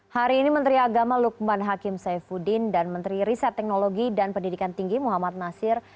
hari ini menteri agama lukman hakim saifuddin dan menteri riset teknologi dan pendidikan tinggi muhammad nasir